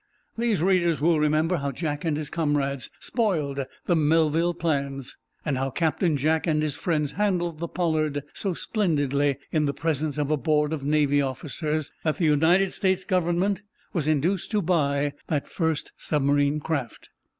These readers will remember how Jack and his comrades spoiled the Melville plans, and how Captain Jack and his friends handled the "Pollard" so splendidly, in the presence of a board of Navy officers, that the United States Government was induced to buy that first submarine craft.